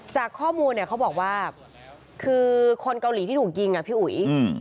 จากข้อมูลเนี่ยเขาบอกว่าคือคนเกาหลีที่ถูกยิงอ่ะพี่อุ๋ย